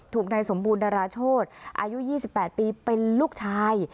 ถูกนายสมบูรณดาราโชธอายุ๒๘ปีเป็นลูกชาย